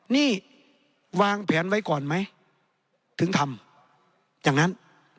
นี่วางแผนไว้ก่อนไหมถึงทำอย่างนั้น